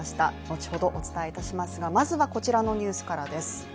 後ほどお伝えいたしますが、まずはこちらのニュースからです。